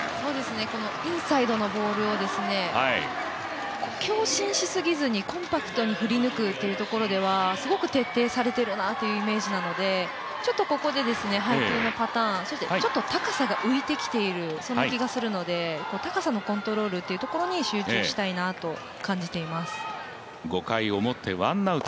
インサイドのボールを強振しすぎずにコンパクトに振り抜くというところでは、すごく徹底されているなというイメージなのでちょっとここで配球のパターンそれからちょっと高さが浮いてきている、そんな気がするので高さのコントロールというところに集中したいなと感じています。